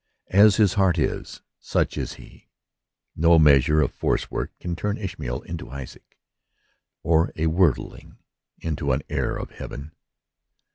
As his heart is, such is he. No measure of force work can turn Ishmael into Isaac, or a worldling into an heir of heaven.